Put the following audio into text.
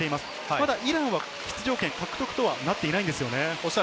ただイランは出場権獲得とはなっていないんですよね。